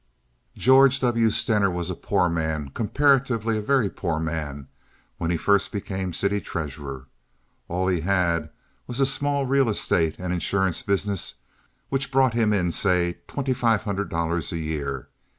"George W. Stener was a poor man, comparatively a very poor man, when he first became city treasurer. All he had was a small real estate and insurance business which brought him in, say, twenty five hundred dollars a year.